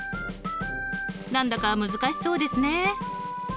何だか難しそうですね。